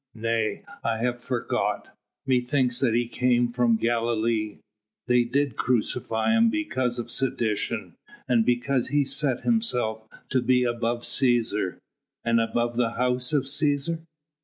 "Nay! I have forgot. Methinks that he came from Galilee. They did crucify him because of sedition, and because he set himself to be above Cæsar." "And above the House of Cæsar?"